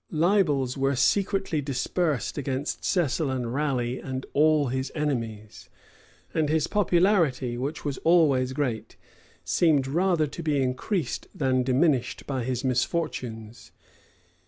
Libels were secretly dispersed against Cecil and Raleigh and all his enemies: and his popularity, which was always great, seemed rather to be increased than diminished by his misfortunes.